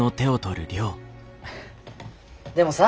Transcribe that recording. でもさ。